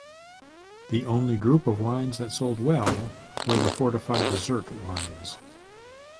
The only group of wines that sold well were the fortified dessert wines.